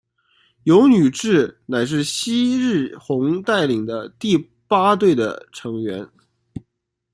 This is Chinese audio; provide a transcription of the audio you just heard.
油女志乃是夕日红带领的第八队的成员。